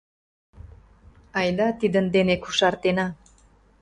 — Айда тидын дене кошартена.